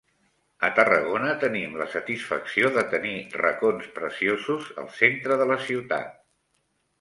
A Tarragona tenim la satisfacció de tenir racons preciosos al centre de la ciutat.